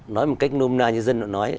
nói một cách nôm na như dân đã nói